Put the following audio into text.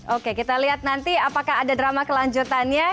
oke kita lihat nanti apakah ada drama kelanjutannya